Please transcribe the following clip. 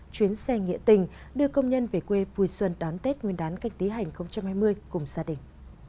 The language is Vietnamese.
chuyến xe nghĩa tình đưa công nhân về quê vui xuân đón tết nguyên đán canh tí hành hai mươi cùng gia đình